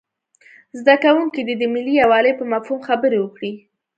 زده کوونکي دې د ملي یووالي په مفهوم خبرې وکړي.